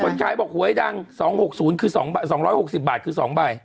ขายบอกหวยดัง๒๖๐คือ๒๖๐บาทคือ๒ใบ